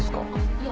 いや。